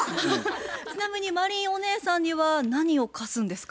ちなみに真凜お姉さんには何を貸すんですか？